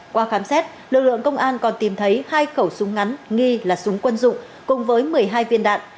qua khám xét lực lượng công an còn tìm thấy hai khẩu súng ngắn nghi là súng quân dụng cùng với một mươi hai viên đạn